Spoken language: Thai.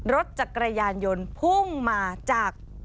รถจักรยานยนต์พุ่งมาจาก